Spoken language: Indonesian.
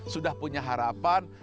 sudah punya harapan